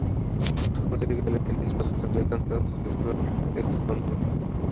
ধরতে গেলে তিনিই যথার্থ বেদান্তের স্ফুরণমূর্তি।